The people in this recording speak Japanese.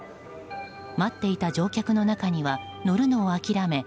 待っていた乗客の中には乗るのを諦め